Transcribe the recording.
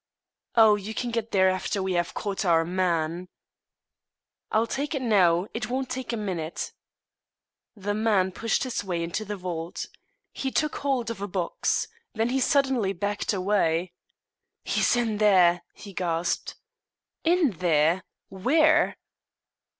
"Oh, you can get there after we have caught our man." "I'll take it now it won't take a minute." The man pushed his way into the vault. He took hold of a box. Then he suddenly backed away. "He's in there!" he gasped. "In there? Where?"